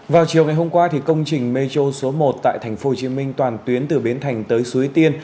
vào chiều ngày hôm qua công trình metro số một tại tp hcm toàn tuyến từ bến thành tới suối tiên